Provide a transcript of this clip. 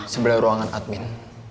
sebelah ruangan admin